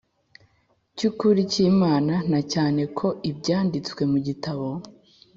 cy’ukuri cy’imana na cyane ko ibyanditswe mu gitabo